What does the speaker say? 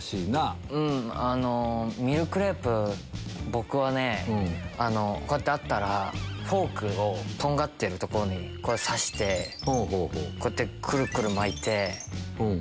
僕はねこうやってあったらフォークをとんがってる所に刺してこうやってくるくる巻いて。